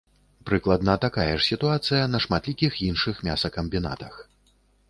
Прыкладна такая ж сітуацыя на шматлікіх іншых мясакамбінатах.